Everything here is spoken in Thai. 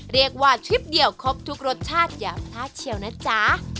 เรียกว่าทริปเดียวครบทุกรสชาติอย่าพลาดเชียวนะจ๊ะ